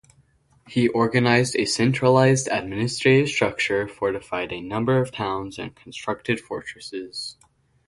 He organized a centralised administrative structure, fortified a number of towns and constructed fortresses.